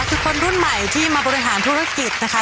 คือคนรุ่นใหม่ที่มาบริหารธุรกิจนะคะ